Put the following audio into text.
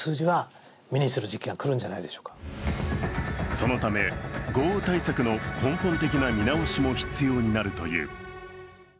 そのため、豪雨対策の根本的な見直しも必要になるという。